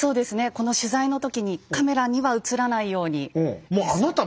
この取材の時にカメラには写らないように。